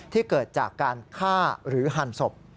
เกิดจากการฆ่าหรือหั่นศพ